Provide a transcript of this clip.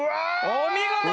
お見事！